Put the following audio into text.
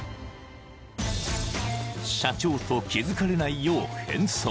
［社長と気付かれないよう変装］